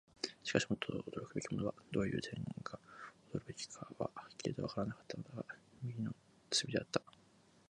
しかし、もっと驚くべきものは、どういう点が驚くべきかははっきりとはわからなかったのだが、右手の隅であった。